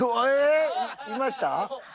いました？